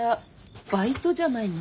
バイトじゃないの。